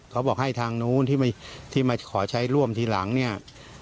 เขาบอกให้ทางนู้นที่มาขอใช้ร่วมทีหลังเนี่ย